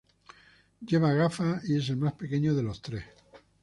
Lleva gafas y es el más pequeño de los tres.